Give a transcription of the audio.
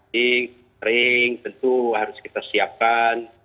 catering tentu harus kita siapkan